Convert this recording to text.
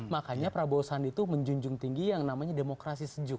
makanya prabowo sandi itu menjunjung tinggi yang namanya demokrasi sejuk